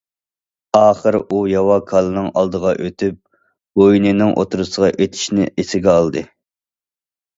ئاخىر ئۇ ياۋا كالىنىڭ ئالدىغا ئۆتۈپ بوينىنىڭ ئوتتۇرىسىغا ئېتىشنى ئېسىگە ئالدى.